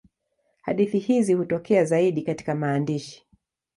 Hadithi hizi hutokea zaidi katika maandishi.